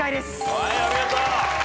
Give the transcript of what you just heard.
はいお見事。